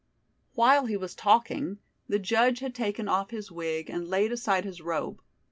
While he was talking the judge had taken off his wig and laid aside his robe.